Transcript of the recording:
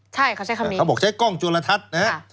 ใช่เขาใช้คำนี้เขาบอกใช้กล้องโจรทัศน์นะฮะ